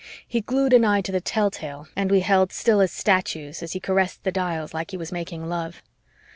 He glued an eye to the telltale and we held still as statues as he caressed the dials like he was making love.